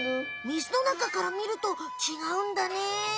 みずのなかからみるとちがうんだね。